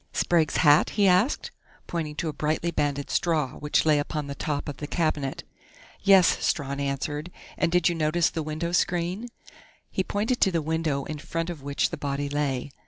"Sprague's hat?" he asked, pointing to a brightly banded straw which lay upon the top of the cabinet. "Yes," Strawn answered. "And did you notice the window screen?" He pointed to the window in front of which the body lay.